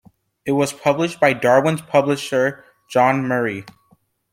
It was published by Darwin's publisher John Murray.